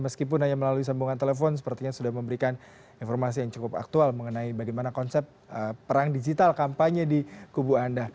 meskipun hanya melalui sambungan telepon sepertinya sudah memberikan informasi yang cukup aktual mengenai bagaimana konsep perang digital kampanye di kubu anda